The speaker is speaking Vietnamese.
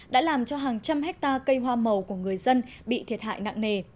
đã làm cho hàng trăm hectare cây hoa màu của người dân bị thiệt hại nặng nề